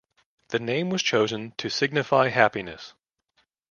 The name was chosen to signify happiness.